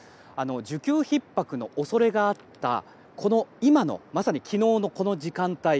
需給ひっ迫の恐れがあったまさに、昨日のこの時間帯